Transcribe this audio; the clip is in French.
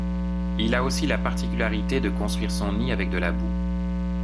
Il a aussi la particularité de construire son nid avec de la boue.